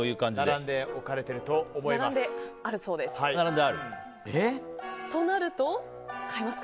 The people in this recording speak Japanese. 並んで置かれていると思います。